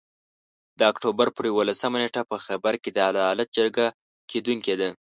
د اُکټوبر پر یوولسمه نیټه په خېبر کې د عدالت جرګه کیدونکي ده